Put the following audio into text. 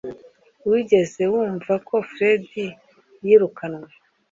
Wigeze wumva ko Fred yirukanwe?